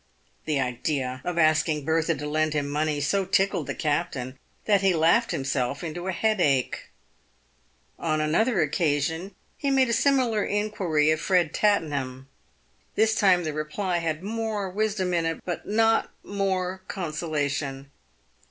The idea of asking Bertha to lend him money so tickled the captain that he laughed himself into a head ache. On another occasion, he made a similar inquiry of Ered Tatten ham. This time the reply had more wisdom in it, but not more con solation.